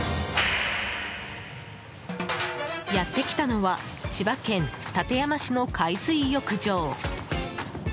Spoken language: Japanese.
やってきたのは千葉県館山市の海水浴場。